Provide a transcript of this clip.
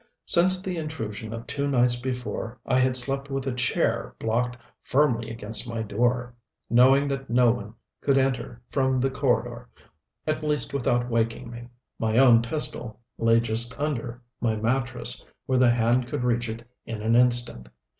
Since the intrusion of two nights before I had slept with a chair blocked firmly against my door, knowing that no one could enter from the corridor, at least without waking me. My own pistol lay just under my mattress where the hand could reach it in an instant.